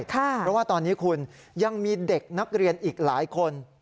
เพราะว่าตอนนี้คุณยังมีเด็กนักเรียนอีกหลายคน